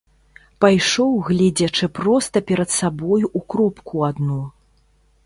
Пайшоў, гледзячы проста перад сабой у кропку адну.